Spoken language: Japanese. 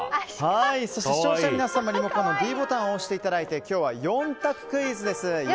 そして視聴者の皆さんもリモコンのｄボタンを押していただいて今日は４択クイズです。